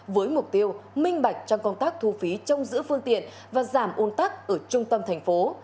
với mục tiêu minh bạch trong công tác thu phí trong giữ phương tiện và giảm ôn tắc ở trung tâm thành phố